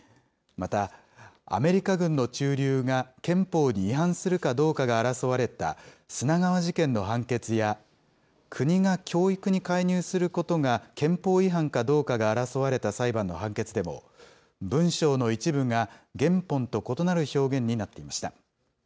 また、アメリカ軍の駐留が憲法に違反するかどうかが争われた砂川事件の判決や、国が教育に介入することが憲法違反かどうかが争われた裁判の判決でも、文章の一部が原本と異なる表現になっていました。